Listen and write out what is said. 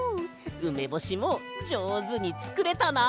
ウメボシもじょうずにつくれたな！